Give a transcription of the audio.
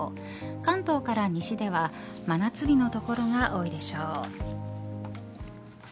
関東から西では真夏日の所が多いでしょう。